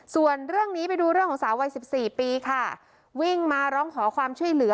ส่วนเรื่องนี้ไปดูเรื่องของสาววัยสิบสี่ปีค่ะวิ่งมาร้องขอความช่วยเหลือ